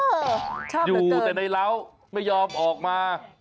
เออชอบเติมอยู่แต่ในเหล้าไม่ยอมออกมา